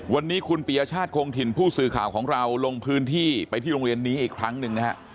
วันนี้คุณปียชาติคงถิ่นผู้สื่อข่าวของเราลงพื้นที่ไปที่โรงเรียนนี้อีกครั้งหนึ่งนะฮะ